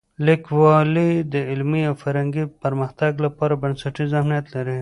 لیکوالی د علمي او فرهنګي پرمختګ لپاره بنسټیز اهمیت لري.